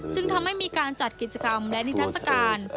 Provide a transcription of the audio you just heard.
จึงทำให้มีการจัดกิจกรรมและนิทัศกาล